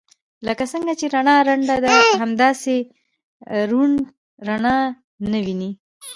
لکه څنګه چې رڼا ړنده ده همداسې ړوند رڼا نه ويني.